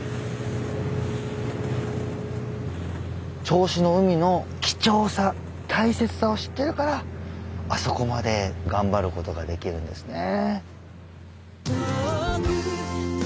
銚子の海の貴重さ大切さを知ってるからあそこまで頑張ることができるんですね。